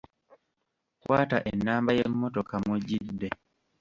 Kwata ennamba y'emmotoka mw'ojjidde.